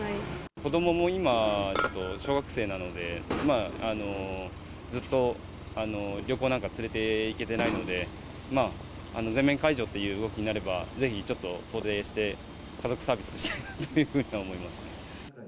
子どもも今、小学生なので、ずっと旅行なんか連れていけてないので、全面解除という動きになれば、ぜひちょっと遠出して、家族サービスしたいなというふうに思いますね。